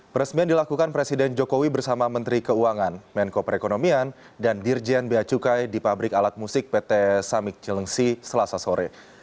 peresmian dilakukan presiden jokowi bersama menteri keuangan menko perekonomian dan dirjen beacukai di pabrik alat musik pt samik cilengsi selasa sore